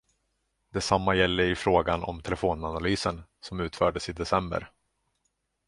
Detsamma gäller i fråga om telefonanalysen, som utfördes i december.